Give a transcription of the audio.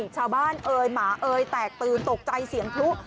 ชาวบ้านเอ่ยหมาเอ่ยแตกตื่นตกใจเสียงพลุ